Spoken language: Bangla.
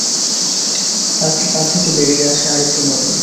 তারপর তা থেকে বেরিয়ে আসে আরেকটি নদী।